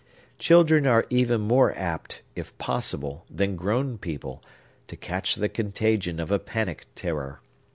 Children are even more apt, if possible, than grown people, to catch the contagion of a panic terror.